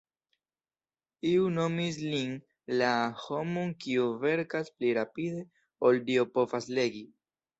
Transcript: Iu nomis lin "la homon kiu verkas pli rapide ol Dio povas legi".